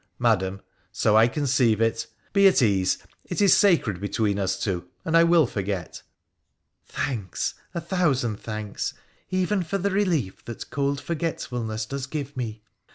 ' Madam, so I conceive it. Be at ease : it is sacred be tween us two, and I will forget.' ' Thanks ! a thousand thanks, even for the relief that cold forgetfulness does give me.